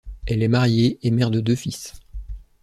Elle est mariée et mère de deux fils.